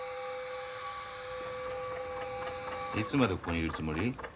いつまでここにいるつもり？